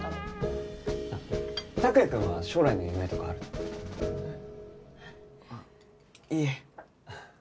あっいえ。